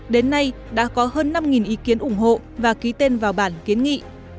đến nay đã có hơn năm ý kiến ủng hộ và ký tên vào bản kiến nghị